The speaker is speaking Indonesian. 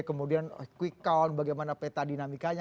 kemudian quick count bagaimana peta dinamikanya